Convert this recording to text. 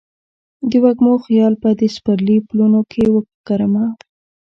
د وږمو خیال به د سپرلي پلونو کې وکرمه